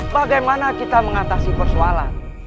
bagaimana kita mengatasi persoalan